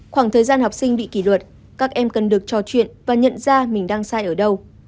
khoảng thời gian học sinh bị kỷ luật các em cần được trò chuyện và nhận ra mình đang sai ở đâu